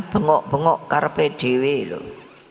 pengok pengok karpe dewe loh